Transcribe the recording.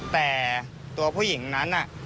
แต่ตัวผู้หญิงนั้น